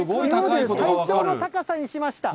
最長の高さにしました。